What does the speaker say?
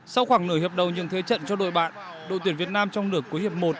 sau khoảng nửa hiệp đầu những thế trận cho đội bạn đội tuyển việt nam trong lửa cuối hiệp một